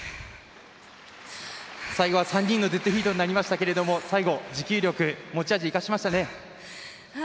最後は３人のデッドヒートになりましたけど最後、持久力持ち味生かしましたね。